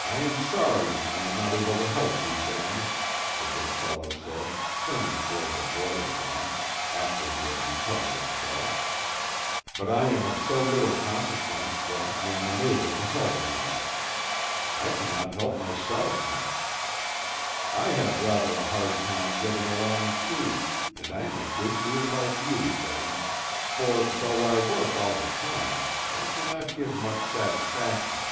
"I am sorry I am not able to help you, Ben," the good fellow said, turning toward the boy again, after he had recovered himself; "but I am of so little consequence that I am unable to help anyone; I cannot help myself much. I have rather a hard time getting along, too, and I am a good deal like you, Ben, for, though I work all the time, I do not give much satisfaction."